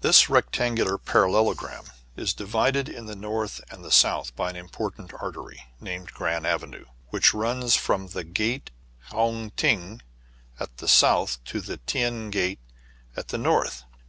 This rectangular parallelogram is divided in the north and south by an important artery, named Grand Avenue, which runs from the Gate Houng Ting at the south to the Tien Gate at the north.